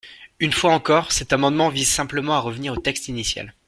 Une fois encore, cet amendement vise simplement à revenir au texte initial.